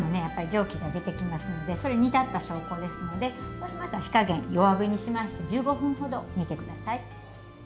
やっぱり蒸気が出てきますのでそれ煮立った証拠ですのでそうしましたら火加減弱火にしまして１５分ほど煮てください。